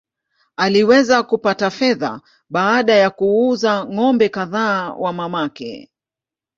Aliweza kupata fedha baada ya kuuza ng’ombe kadhaa wa mamake.